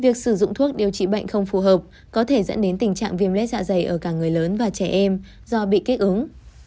việc sử dụng thuốc điều trị bệnh không phù hợp có thể dẫn đến tình trạng viêm lết dạ dày ở cả người lớn và trẻ em do bị kết ứng